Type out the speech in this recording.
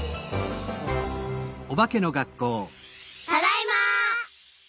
ただいま！